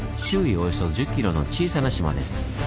およそ１０ｋｍの小さな島です。